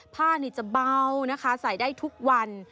ผ้านี่จะเบานะคะใส่ได้ทุกวัน